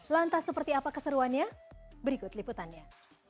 lantas seperti apa keseruannya berikut liputannya